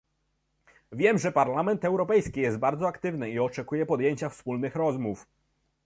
Wiem, że Parlament Europejski jest bardzo aktywny i oczekuję podjęcia wspólnych rozmów